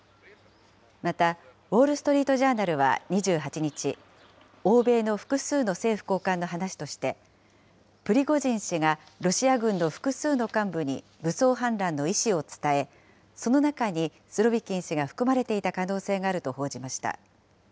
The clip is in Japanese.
また、ウォール・ストリート・ジャーナルは２８日、欧米の複数の政府高官の話として、プリゴジン氏がロシア軍の複数の幹部に武装反乱の意志を伝え、その中にスロビキン氏が含まれていた可能性があると報じました。